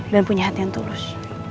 dan punya hati yang tulus